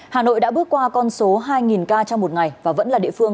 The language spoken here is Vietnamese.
hà nội đã bước qua con số hai ca trong một ngày và vẫn là địa phương